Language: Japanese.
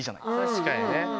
確かにね。